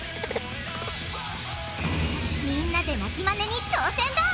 みんなで鳴きマネに挑戦だ！